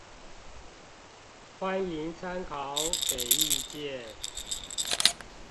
歡迎參考給意見